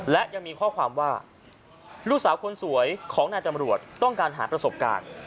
และยังมีข้อความว่าลูกสาวคนสวยของนายตำรวจต้องการหาประสบการณ์